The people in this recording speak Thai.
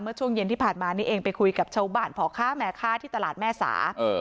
ช่วงเย็นที่ผ่านมานี่เองไปคุยกับชาวบ้านพ่อค้าแม่ค้าที่ตลาดแม่สา